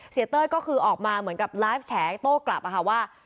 เต้ยก็คือออกมาเหมือนกับไลฟ์แฉโต้กลับอะค่ะว่า